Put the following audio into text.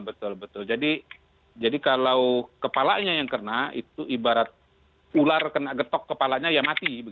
betul betul jadi kalau kepalanya yang kena itu ibarat ular kena getok kepalanya ya mati